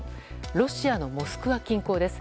ロシアのモスクワ近郊です。